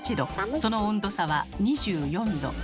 その温度差は２４℃。